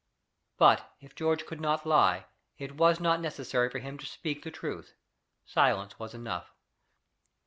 But if George could not lie, it was not necessary for him to speak the truth: silence was enough.